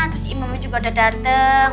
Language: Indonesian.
terus imamnya juga udah datang